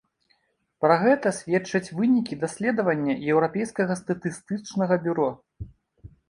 Пра гэта сведчаць вынікі даследавання еўрапейскага статыстычнага бюро.